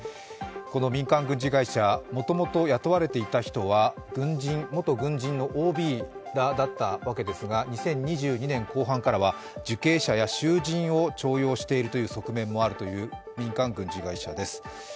この民間軍人会社、もともと雇われていた人は、軍人・元軍人らＯＢだったわけなんですが、２０２２年後半からは受刑者や囚人を重用しているという側面もあるという民間軍事会社です。